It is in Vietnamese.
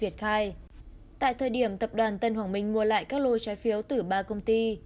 tại thời điểm tập đoàn tân hoàng minh mua lại các lô trái phiếu từ ba công ty